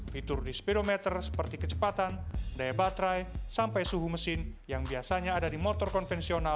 fitur di speedometer seperti kecepatan daya baterai sampai suhu mesin yang biasanya ada di motor konvensional